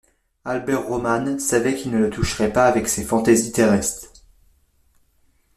Albert Roman savait qu’il ne la toucherait pas avec ces fantaisies terrestres.